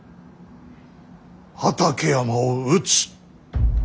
畠山を討つ。